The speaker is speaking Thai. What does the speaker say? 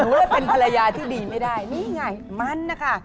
เลยเป็นภรรยาที่ดีไม่ได้นี่ไงมันนะคะ